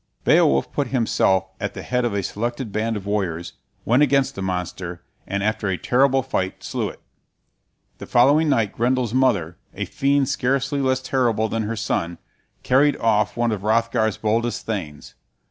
Beowulf put himself at the head of a selected band of warriors, went against the monster, and after a terrible fight slew it. The following night Grendel's mother, a fiend scarcely less terrible than her son, carried off one of Hrothgar's boldest thanes.